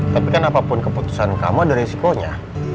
tapi kan apapun keputusan kamu ada risikonya